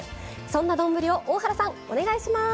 そんな丼を大原さんお願いします！